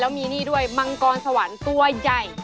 มีนี่ด้วยมังกรสวรรค์ตัวใหญ่